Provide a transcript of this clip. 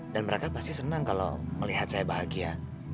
dan mereka pasti senang kalau melihat saya bahagia